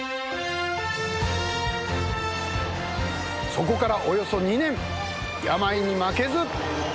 そこからおよそ２年病に負けず！